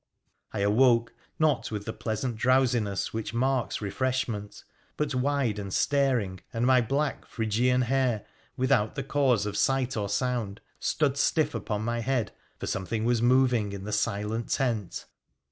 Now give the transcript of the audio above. I awoke — not with the pleasant drowsiness which marks refreshment, but wide and staring, ,nd my black Phrygian hair, without the cause of sight or ound, stood stiff upon my head, for something was moving in he silent tent